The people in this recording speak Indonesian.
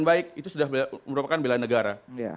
baik itu sudah merupakan bela negara